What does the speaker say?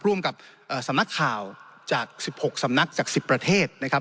ร่วมกับสำนักข่าวจาก๑๖สำนักจาก๑๐ประเทศนะครับ